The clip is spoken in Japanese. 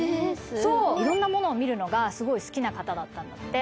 そういろんなものを見るのがすごい好きな方だったんだって。